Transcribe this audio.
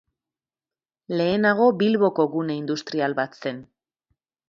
Lehenago, Bilboko gune industrial bat zen.